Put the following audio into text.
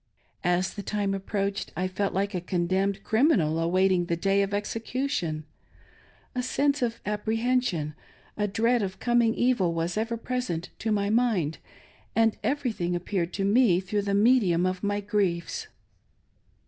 As the time approached, I felt like a condemned criminal awaiting the day of execution. A sense of apprehension, a dread of coming evil, was ever present to my mind, and every thing appeared to me through the medium of my griefs.